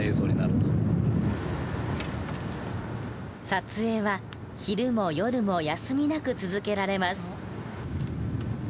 撮影は昼も夜も休みなく続けられます。